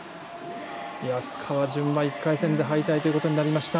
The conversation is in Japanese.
安川潤は１回戦で敗退ということになりました。